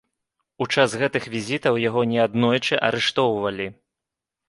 У час гэтых візітаў яго не аднойчы арыштоўвалі.